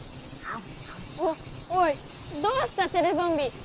おおいどうしたテレゾンビ！